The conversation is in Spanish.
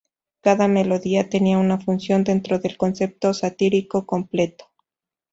Cada melodía tenía una función dentro del concepto satírico completo".